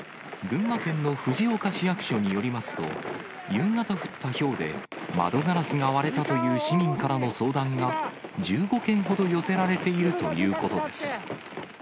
群馬県の藤岡市役所によりますと、夕方降ったひょうで、窓ガラスが割れたという市民からの相談が１５件ほど寄せられているということです。